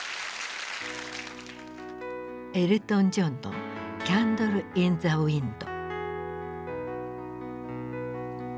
エルトン・ジョンの「キャンドル・イン・ザ・ウインド」。